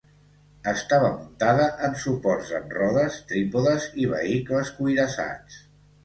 Estava muntada en suports amb rodes, trípodes i vehicles cuirassats.